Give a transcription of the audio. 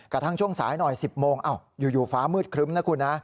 กระทั่งช่วงสายหน่อย๑๐โมงอยู่ฟ้ามืดครึ้มนะคุณ